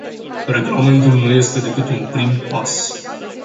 Regulamentul nu este decât un prim pas.